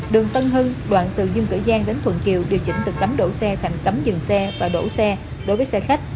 đường tân hưng đoạn từ dương cửa giang đến thuận kiều điều chỉnh từ cấm đổ xe thành cấm dừng xe và đổ xe đối với xe khách